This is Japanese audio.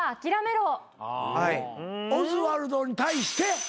オズワルドに対して。